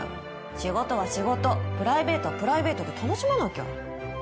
仕事は仕事プライベートはプライベートで楽しまなきゃ。